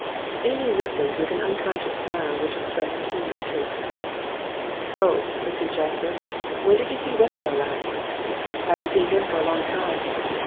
Amy listened with an unconscious smile which expressed keen interest. 'Oh,' pursued Jasper, 'when did you see Whelpdale last?' 'Haven't seen him for a long time.